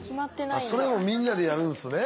それもみんなでやるんすね。